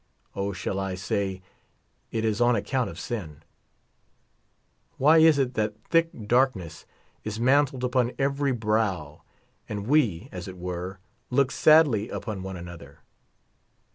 O, shall I sa}^ it is on account of sin I Why is it that thick darkness is mantled upon every brow, and we, as it were, look sadly upon one another?